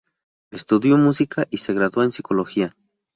Estudió música y se graduó en psicología.